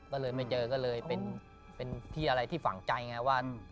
ก็เลยไม่เจอก็เลยเป็นที่อะไรที่ฝังใจไงว่า